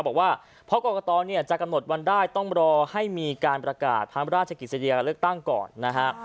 บอกว่าเพราะกรกตเนี่ยจะกำหนดวันได้ต้องรอให้มีการประกาศพระราชกิจสดีการเลือกตั้งก่อนนะฮะ